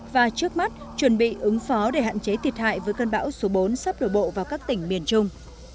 và trước mắt chuẩn bị ứng phó để hạn chế thiệt hại với cơn bão số bốn sắp đổ bộ vào các tỉnh miền trung